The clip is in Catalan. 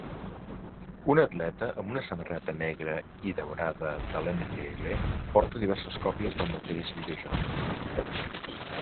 Un atleta amb una samarreta negra i daurada de l'NFL porta diverses còpies del mateix videojoc.